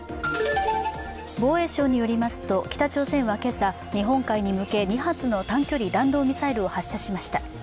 防衛省によりますと、北朝鮮は今朝、日本海に向け２発の短距離弾道ミサイルを発射しました。